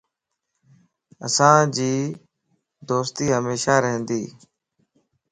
اسانجي دوستي ھميشا رھندي